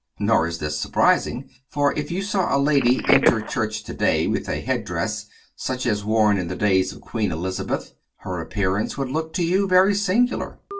Nor is this surprising, for if you saw a lady enter church today with a head dress such as worn in the days of Queen Elizabeth, her appearance would look to you very singular.